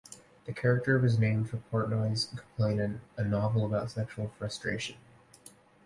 The character was named for "Portnoy's Complaint", a novel about sexual frustration.